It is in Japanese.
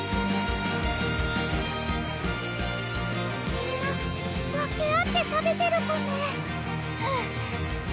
みんな分け合って食べてるコメうん！